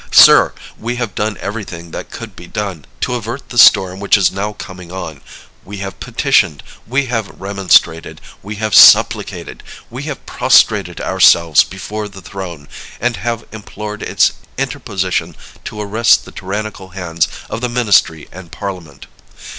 Sir, we have done everything that could be done, to avert the storm which is now coming on. We have petitioned, we have remonstrated, we have supplicated; we have prostrated ourselves before the throne, and have implored its interposition to arrest the tyrannical hands of the ministry and Parliament.